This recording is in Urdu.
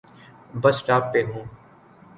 بس سٹاپ پہ ہوں۔